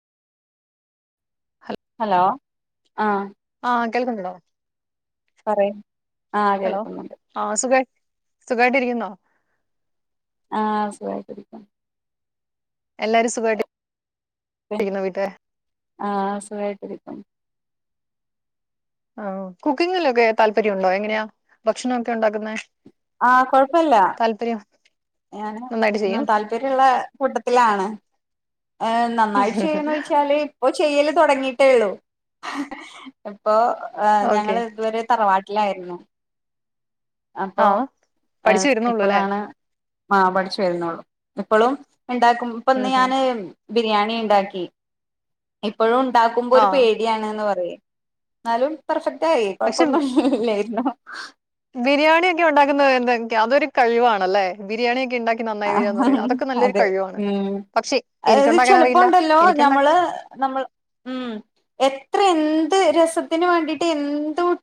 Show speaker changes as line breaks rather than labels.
Hello ആഹ്
ആഹ് കേൾക്കുണ്ടോ? ! ! ! ! ! ! ! ! ! ! ഹലോ ആഹ് സുഖ സുഖായിട്ടിരിക്കുന്നോ?
ആഹ് സുഖായിട്ടിരിക്ണ്.
എല്ലാരും സുഖായിട്ടിരി
പിന്നെ
വീട്ടിലൊക്കെ?
ആഹ് സുഖായിട്ടിരിക്കുന്നു
ആ കുക്കിങ്ങിലൊക്കെ താല്പര്യണ്ടോ എങ്ങനെയാ ഭക്ഷണ ഒക്കെ ഉണ്ടാക്കുന്നേ?
ആ കൊഴപ്പല്ല.
നന്നായിട്ട്
ഞാന്
ചെയ്യും
താല്പര്യള്ള കൂട്ടത്തിലാണ്. ഏ നന്നായിട്ട് ചെയ്യന്ന് വെച്ചാല്. ഇപ്പോചെയ്യല് തുടങ്ങിയിട്ടേള്ളൂ ഇപ്പോ ഞങ്ങ
ഓക്കെ
ൾഇതുവരെ തറവാട്ട് ട്ടിൽ ആയിരുന്നു അപ്പോ
ആഹ് പഠിച്ചു വരുന്നുള്ളൂ അല്ലേ
ഇപ്പോളാണ് ആ പഠിച്ചു വരുന്നുള്ളു ഇപ്പോഴും ഉണ്ടാക്കും ഇപ്പ
ഉം ഉം
ഞാന് ബിരിയാണി ഇണ്ടാക്കി ഇപ്പോഴും ഉണ്ടാക്കുമ്പോ ഒരു
ആഹ്
പേടിയാണ്ന്ന് പറിഎന്നാലും പെർഫെക്റ്റ് എയ് കോഴപ്പ ഒന്നു ഇല്ലായിരുന്നു
ബിരിയാണിയ ഒക്കെ ഉണ്ടാക്കുന്നത് എന്തെക്കെയ അതൊരു കഴിവ്‌ അണല്ലേ ബിരിയാണിക്കെ ഉണ്ടാക്കി നന്നായി വരികന്ന് പറ
ആഹ്
അതൊക്കെ നല്ലൊരു
അതെ
കഴിവാണ് പക്ഷെ എനിക്ക്
അത്
ഉണ്ടാക്കാൻ അറിയില്ല
ചെലപ്പോണ്ടല്ലോ
എനിക്കണ്ട
ഞമ്മള് നമ്മൾ ഉ എത്ര എന്ത് രസത്തിന് വേണ്ടീട്ട് എന്ത്